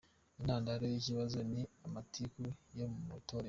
Intandaro y’ikibazo ni amatiku yo mu Itorero